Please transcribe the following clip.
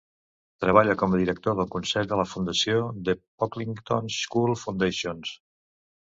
Treballa com a director del consell de la fundació The Pocklington School Foundation.